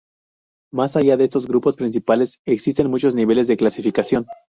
Más allá de estos grupos principales, existen muchos niveles de clasificación.